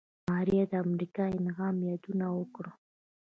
ماريا د امريکا د انعام يادونه وکړه.